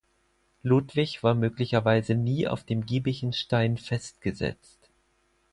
Ludwig war möglicherweise nie auf dem Giebichenstein festgesetzt.